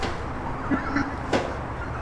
আমার মনে হয় না তাতে আপনার সমস্যা হবে।